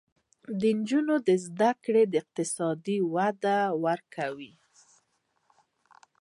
د نجونو زده کړه اقتصاد ته وده ورکوي.